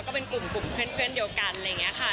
ก็เป็นกลุ่มเพื่อนเดียวกันอะไรอย่างนี้ค่ะ